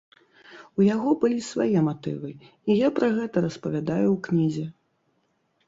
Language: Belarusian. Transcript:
У яго былі свае матывы, і я пра гэта распавядаю ў кнізе.